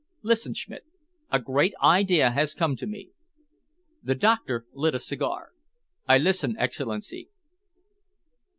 Listen, Schmidt. A great idea has come to me." The doctor lit a cigar. "I listen, Excellency."